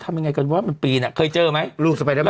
ทำยังไงก็ดว๊ะเปีนอะเคยเจอไหมลูกสวรรค์สอบใจได้ไหม